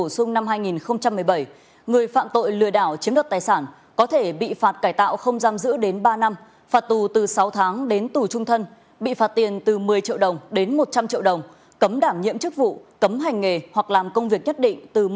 xin chào và hẹn gặp lại